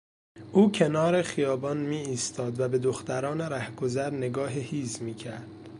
او کنار خیابان میایستاد و به دختران رهگذر نگاه هیز میکرد.